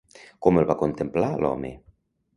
Com el va contemplar l'home?